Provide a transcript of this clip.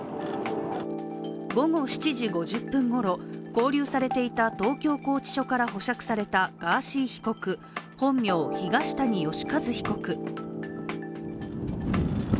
午後７時５０分ごろ、勾留されていた東京拘置所から保釈されたガーシー被告、本名・東谷義和被告。